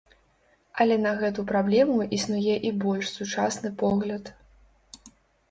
Але на гэту праблему існуе і больш сучасны погляд.